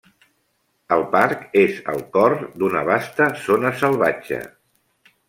El parc és al cor d'una vasta zona salvatge.